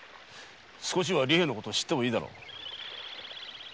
少しは利平のこと知ってもいいだろう。